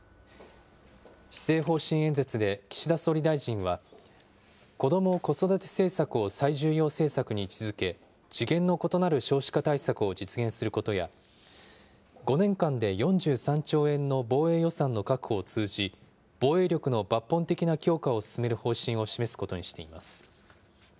施政方針演説で岸田総理大臣は、子ども・子育て政策を最重要政策に位置づけ、次元の異なる少子化対策を実現することや、５年間で４３兆円の防衛予算の確保を通じ、防衛力の抜本的な強化を進める方針を示すことにしています。